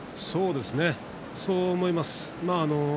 そう思います。